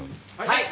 はい。